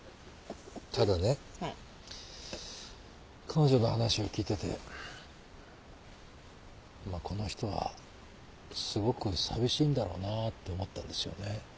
彼女の話を聞いててこの人はすごく寂しいんだろうなって思ったんですよね。